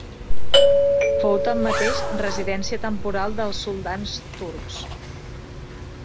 Fou tanmateix residència temporal dels soldans turcs.